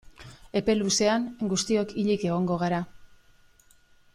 Epe luzean guztiok hilik egongo gara.